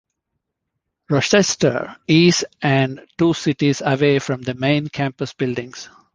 Rochester is and two cities away from the main campus buildings.